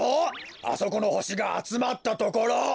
あそこのほしがあつまったところ。